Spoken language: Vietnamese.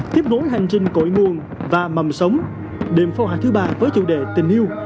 tiếp nối hành trình cội nguồn và mầm sống đêm phá hoa thứ ba với chủ đề tình yêu